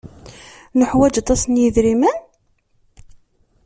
Neḥwaj aṭas n yidrimen?